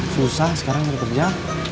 susah sekarang bekerja